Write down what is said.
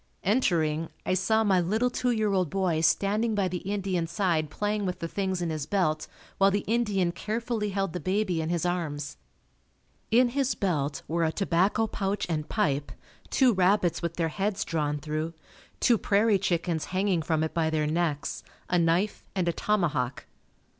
Entering, I saw my little two year old boy standing by the Indian's side playing with the things in his belt while the Indian carefully held the baby in his arms. In his belt were a tobacco pouch and pipe, two rabbits with their heads drawn through, two prairie chickens hanging from it by their necks, a knife and a tomahawk.